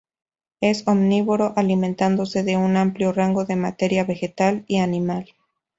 Es omnívoro, alimentándose de un amplio rango de materia vegetal y animal.